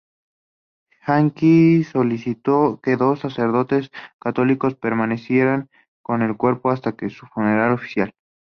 Jackie solicitó que dos sacerdotes católicos permanecieran con el cuerpo hasta su funeral oficial.